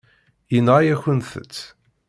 Yenɣa-yakent-tt.